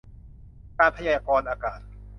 การพยากรณ์อากาศ